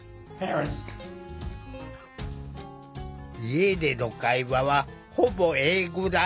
家での会話はほぼ英語だ。